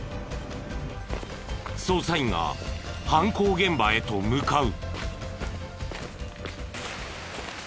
捜査員が犯行現場へと向かう。